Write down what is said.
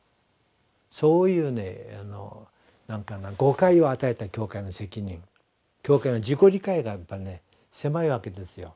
そういうね誤解を与えた教会の責任教会の自己理解がやっぱり狭いわけですよ。